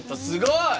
すごい！